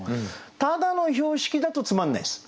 ただの標識だとつまんないです。